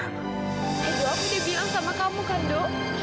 eh do aku udah bilang sama kamu kan do